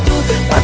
makasih ya kang